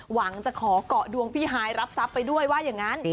หวังจะขอเกาะดวงพี่ฮายรับทรัพย์ไปด้วยว่าอย่างนั้น